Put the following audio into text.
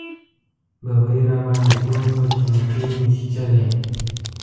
ببۍ راباندې پوه شوه چې موچۍ مې چیچلی.